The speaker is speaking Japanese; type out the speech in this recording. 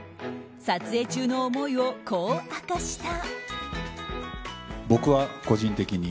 撮影中の思いを、こう明かした。